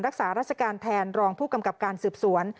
รักษาราชการแทนรองผู้กำกับการสืบสวน